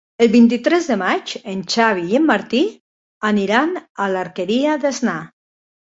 El vint-i-tres de maig en Xavi i en Martí aniran a l'Alqueria d'Asnar.